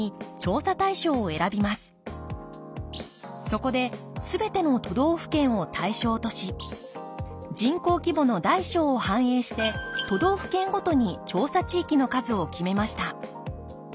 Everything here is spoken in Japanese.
そこで全ての都道府県を対象とし人口規模の大小を反映して都道府県ごとに調査地域の数を決めました。